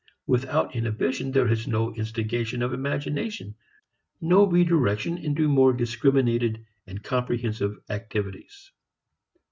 Without inhibition there is no instigation of imagination, no redirection into more discriminated and comprehensive activities.